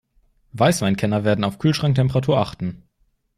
Weißweinkenner werden auf Kühlschranktemperatur achten.